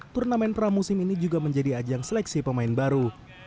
turnamen pramusim ini juga menjadi ajang seleksi pemain baru